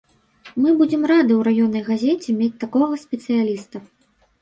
Мы будзем рады ў раённай газеце мець такога спецыяліста.